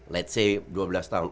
let's say dua belas tahun